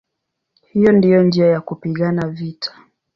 Hiyo ndiyo njia ya kupigana vita".